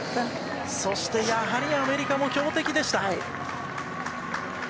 そして、やはりアメリカも強敵でした。